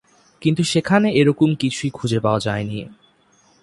কিন্তু সেখানে এরকম কিছুই খুঁজে পাওয়া যায়নি।